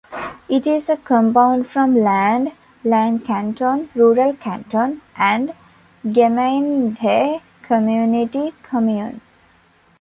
It is a compound from "Land" "land, canton; rural canton" and "Gemeinde" "community, commune".